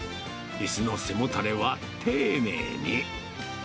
いすの背もたれは丁寧に。